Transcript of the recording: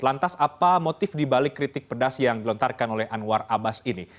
lantas apa motif dibalik kritik pedas yang dilontarkan oleh anwar abbas ini